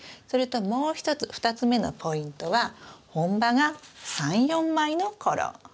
それともう一つ２つ目のポイントは本葉が３４枚の頃。